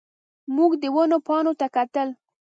موږ د ونو پاڼو ته کتل.